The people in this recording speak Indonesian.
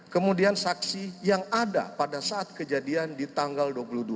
kemudian saksi yang ada pada saat kejadian di tanggal dua puluh dua